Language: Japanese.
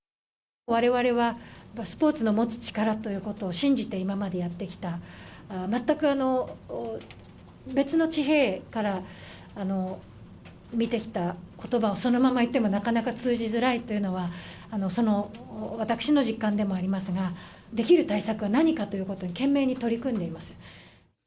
われわれは、スポーツの持つ力ということを信じて今までやってきた、全く別の地平から見てきたことばをそのまま言ってもなかなか通じづらいというのは、その私の実感でもありますが、できる対策は何かということで、懸命に取り組んでいます。